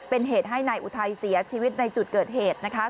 เป็นเหตุให้นายอุทัยเสียชีวิตในจุดเกิดเหตุนะคะ